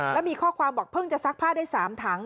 แล้วมีข้อความบอกเพิ่งจะซักผ้าได้๓ถัง